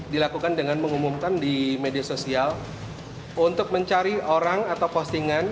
dilakukan dengan mengumumkan di media sosial untuk mencari orang atau postingan